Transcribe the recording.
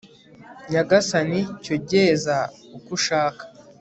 nyagasani cyo ngeza uko ushaka